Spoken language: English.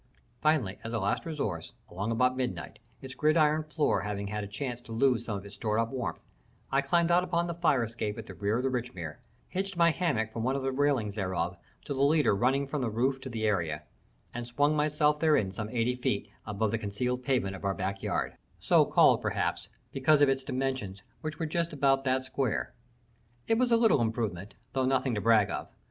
Finally, as a last resource, along about midnight, its gridiron floor having had a chance to lose some of its stored up warmth, I climbed out upon the fire escape at the rear of the Richmere, hitched my hammock from one of the railings thereof to the leader running from the roof to the area, and swung myself therein some eighty feet above the concealed pavement of our backyard so called, perhaps, because of its dimensions which were just about that square. It was a little improvement, though nothing to brag of.